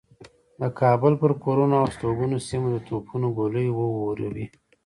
د کابل پر کورونو او هستوګنو سیمو د توپونو ګولۍ و اوروي.